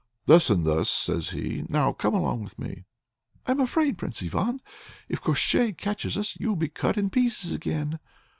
"Thus and thus," says he. "Now come along with me." "I am afraid, Prince Ivan! If Koshchei catches us, you will be cut in pieces again."